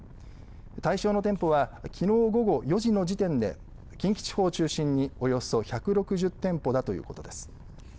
対象の店舗はきのう午後４時の時点で近畿地方を中心におよそ１６０店舗だということです。